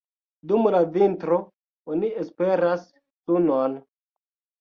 Dum la vintro oni esperas sunon.